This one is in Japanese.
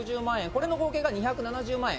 これの合計が２７０万円。